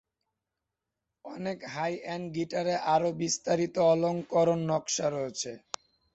অনেক হাই-এন্ড গীটারে আরও বিস্তারিত অলংকরণ নকশা রয়েছে।